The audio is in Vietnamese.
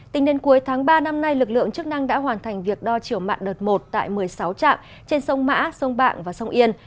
tính đến cuối tháng ba năm nay lực lượng chức năng đã hoàn thành việc đo chiều mặn đợt một tại một mươi sáu trạm trên sông mã sông bạng và sông yên